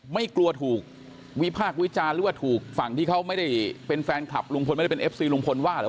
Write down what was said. ไม่กลัวถูกวิพากษ์วิจารณ์หรือว่าถูกฝั่งที่เขาไม่ได้เป็นแฟนคลับลุงพลไม่ได้เป็นเอฟซีลุงพลว่าเหรอ